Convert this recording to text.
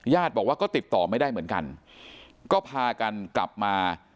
บอกว่าก็ติดต่อไม่ได้เหมือนกันก็พากันกลับมา